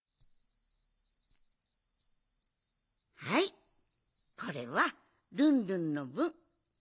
はいこれはルンルンのぶん。